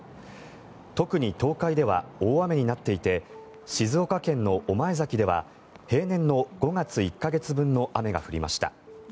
特に東海では大雨になっていて静岡県の御前崎では平年の５月１か月分の雨が降りました。